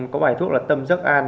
có bài thuốc là tâm giấc an